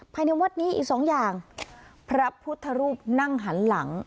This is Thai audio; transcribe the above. ภายในวัดนี้อีกสองอย่างพระพุทธรูปนั่งหันหลัง